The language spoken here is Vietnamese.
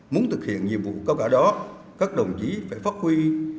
muốn thực hiện nhiệm vụ cao cả đó các đồng chí phải phát huy